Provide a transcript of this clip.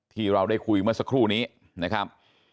ที่เราได้คุยเมื่อสักครู่นี้นะครับ